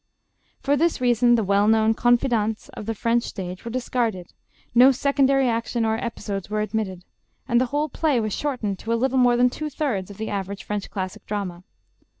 For this reason the well known confidantes of the French stage were discarded, no secondary action or episodes were admitted, and the whole play was shortened to a little more than two thirds of the average French classic drama.